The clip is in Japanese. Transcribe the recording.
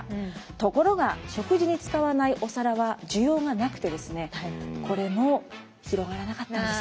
ところが食事に使わないお皿は需要がなくてですねこれも広がらなかったんです。